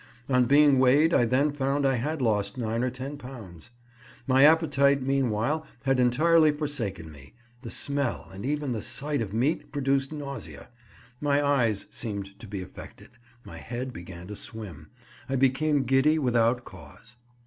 On being weighed I then found I had lost nine or ten pounds. My appetite meanwhile had entirely forsaken me; the smell and even the sight of meat produced nausea, my eyes seemed to be affected, my head began to swim, I became giddy without cause.